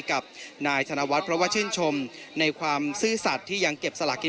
กับนายธนวัฒน์เพราะว่าชื่นชมในความซื่อสัตว์ที่ยังเก็บสลากิน